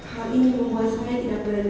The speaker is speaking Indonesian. hal ini membuat saya tidak berani